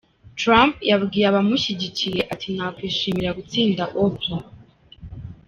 Trump yabwiye abamushyigikiye ati “Nakwishimira gutsinda Oprah.